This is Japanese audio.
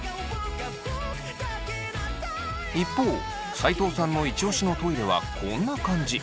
一方斎藤さんのイチオシのトイレはこんな感じ。